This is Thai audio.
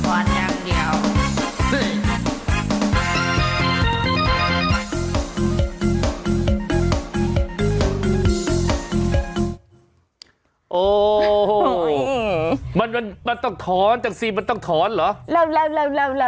โอ้โหมันต้องท้อนจากซีมมันต้องท้อนเหรอ